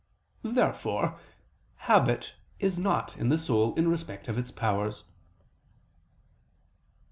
Therefore habit is not in the soul in respect of its powers.